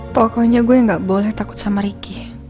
pokoknya gue gak boleh takut sama ricky